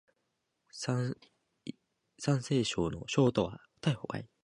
山西省の省都は太原である